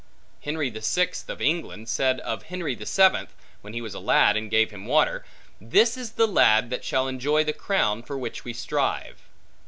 Henry the Sixth of England, said of Henry the Seventh, when he was a lad, and gave him water, This is the lad that shall enjoy the crown, for which we strive.